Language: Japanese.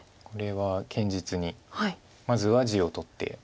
これは堅実にまずは地を取って。